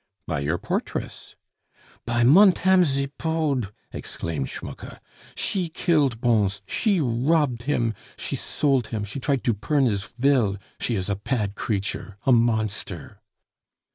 "By your portress." "By Montame Zipod!" exclaimed Schmucke. "She killed Bons, she robbed him, she sold him she tried to purn his vill she is a pad creature, a monster!"